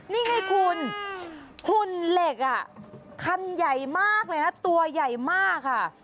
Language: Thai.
นี่ไงคุณหุ่นเหล็กอ่ะคันใหญ่มากเลยนะตัวใหญ่มากค่ะ